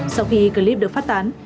sau khi clip được phát tán